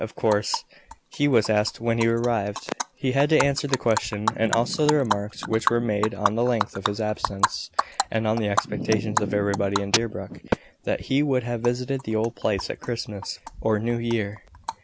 Of course, he was asked when he arrived, and had to answer the question, and also the remarks which were made on the length of his absence, and on the expectations of everybody in Deerbrook that he would have visited the old place at Christmas or New Year.